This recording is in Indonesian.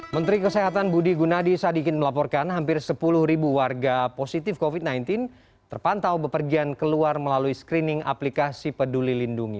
menteri kesehatan budi gunadi sadikin melaporkan hampir sepuluh ribu warga positif covid sembilan belas terpantau bepergian keluar melalui screening aplikasi peduli lindungi